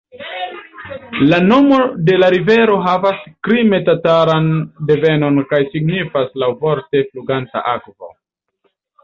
La nomo de la rivero havas krime-tataran devenon kaj signifas laŭvorte "fluganta akvo".